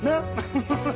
フフフッ。